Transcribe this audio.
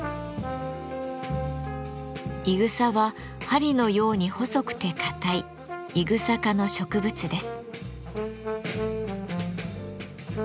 いぐさは針のように細くて硬いイグサ科の植物です。